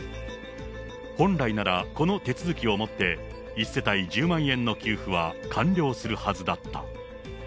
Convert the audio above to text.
本来なら、この手続きをもって、１世帯１０万円の給付は完了するはずだった。